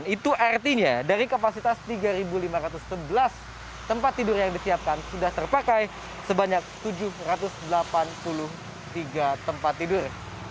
itu artinya dari kapasitas tiga lima ratus sebelas tempat tidur yang disiapkan sudah terpakai sebanyak tujuh ratus delapan puluh tiga tempat tidur